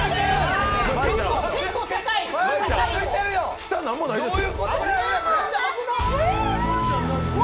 下、何もないですよ！